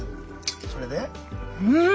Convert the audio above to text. それで？ん！